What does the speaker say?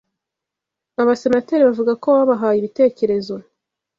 Abasenateri bavuga ko babahaye ibitekerezo